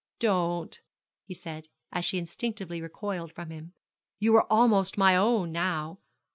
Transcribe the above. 'Don't,' he said, as she instinctively recoiled from him; 'you are almost my own now.